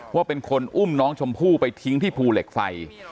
ว่าเป็นคนอุ้มน้องชมพู่ไปทิ้งที่ภูเหล็กไฟ